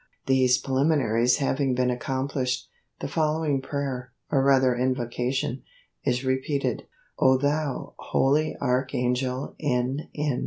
These preliminaries having been accomplished, the following prayer, or rather invocation, is repeated: O thou holy Archangel N. N.